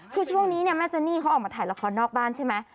คือช่วงนี้เนี่ยแม่เจนี่เขาออกมาถ่ายละครนอกบ้านใช่ไหม